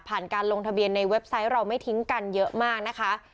การลงทะเบียนในเว็บไซต์เราไม่ทิ้งกันเยอะมากนะคะ